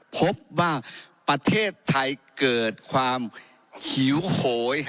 พบว่าประเทศไทยเกิดความหิวโหย